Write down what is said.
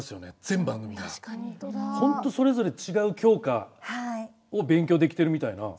ホントそれぞれ違う教科を勉強できてるみたいな。